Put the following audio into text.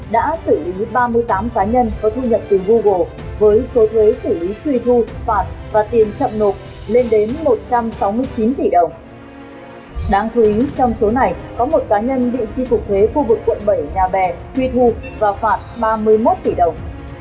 đáng chú ý trong số này có một cá nhân định chi phục thuế khu vực quận bảy nhà bè truy thu và phạt ba mươi một tỷ đồng